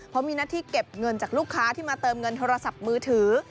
เพราะมีหน้าที่เก็บเงินจากลูกค้าที่มาเติมเงินโทรศัพท์มือถือ